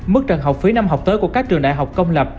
mức trần học phí năm học tới của các trường đại học công lập